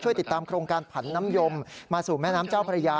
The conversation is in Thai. ติดตามโครงการผันน้ำยมมาสู่แม่น้ำเจ้าพระยา